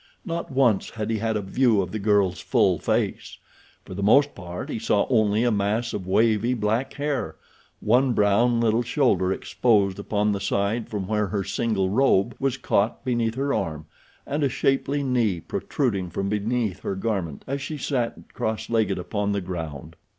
Not once had he had a view of the girl's full face. For the most part he saw only a mass of wavy, black hair, one brown little shoulder exposed upon the side from where her single robe was caught beneath her arm, and a shapely knee protruding from beneath her garment as she sat cross legged upon the ground.